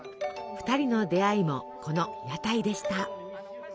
２人の出会いもこの屋台でした。